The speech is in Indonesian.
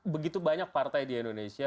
begitu banyak partai di indonesia